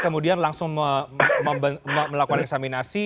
kemudian langsung melakukan eksaminasi